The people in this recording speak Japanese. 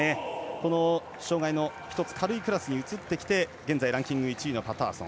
障がいの１つ軽いクラスに移ってきてランキング１位のパターソン。